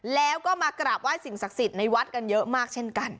แล้วก็มากราบไห้สิ่งศักดิ์สิทธิ์ในวัดกันเยอะมากเช่นกัน